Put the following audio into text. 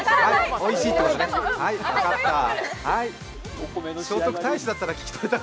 おいしいってことね、分かった。